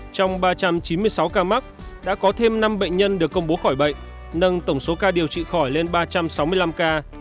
trong ba trăm chín mươi sáu ca mắc đã có thêm năm bệnh nhân được công bố khỏi bệnh nâng tổng số ca điều trị khỏi lên ba trăm sáu mươi năm ca